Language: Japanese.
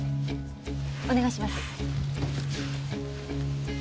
お願いします。